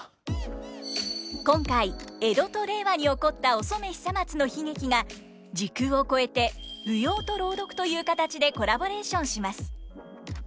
今回江戸と令和に起こったお染久松の悲劇が時空を超えて舞踊と朗読という形でコラボレーションします。